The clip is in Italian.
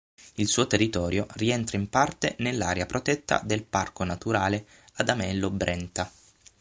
Il suo territorio rientra in parte nell'area protetta del Parco naturale Adamello-Brenta.